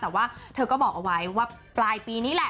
แต่ว่าเธอก็บอกเอาไว้ว่าปลายปีนี้แหละ